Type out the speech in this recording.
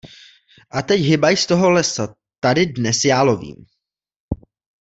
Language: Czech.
A teď hybaj z toho lesa, tady dnes já lovím!